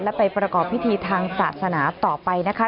และไปประกอบพิธีทางศาสนาต่อไปนะคะ